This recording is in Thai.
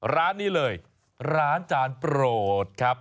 ร้านนี้เลยร้านจานโปรดครับ